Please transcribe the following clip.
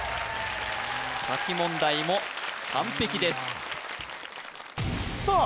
書き問題も完璧ですさあ